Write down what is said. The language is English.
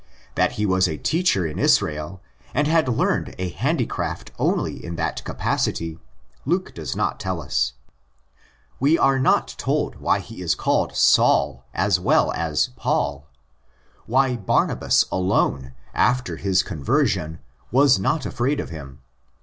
That he was a teacher in Israel, and had learned a handicraft only in that capacity, Luke does not tell us. We are not told why he is called Saul as well as Paul; why Barnabas alone, after his conversion, was not afraid of him (ix.